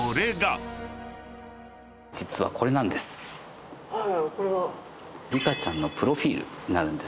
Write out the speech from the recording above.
実はこれなんです。